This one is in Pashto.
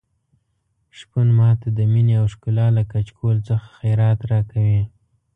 شپون ماته د مينې او ښکلا له کچکول څخه خیرات راکوي.